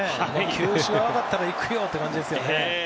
球種が分かったらいくよっていう感じですね